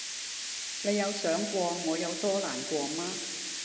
你有想過我有多難過嗎